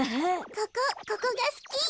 ここここがすき。